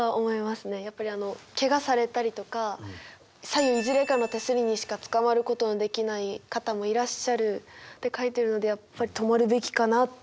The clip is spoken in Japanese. やっぱりあのケガされたりとか左右いずれかの手すりにしかつかまることのできない方もいらっしゃるって書いてるのでやっぱり止まるべきかなって思いますね。